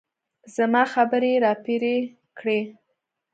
زما خبرې يې راپرې کړې.